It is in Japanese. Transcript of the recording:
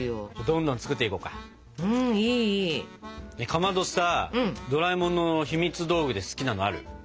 かまどさドラえもんのひみつ道具で好きなのある？